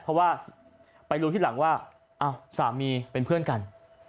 เพราะว่าไปรู้ที่หลังว่าอ้าวสามีเป็นเพื่อนกัน